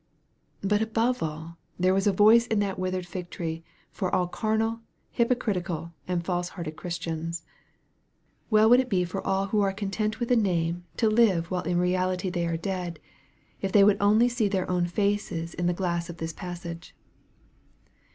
But above all there was a voice in that withered fig tree for all carnal, hypocri tical, and false hearted Christians. Well would it be for all who are content with a name to live while in "eality they are dead, if they would only see their own faces in the glass of this passage.